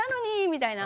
みたいな。